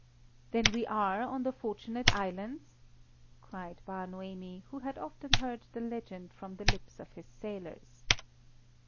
"Then we are on the Fortunate Islands?" cried Bar Noemi, who had often heard the legend from the lips of his sailors.